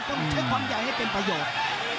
ต้องใช้ความใหญ่ให้เป็นประโยชน์